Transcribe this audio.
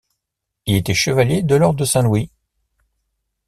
Il était chevalier de l'ordre de Saint-Louis.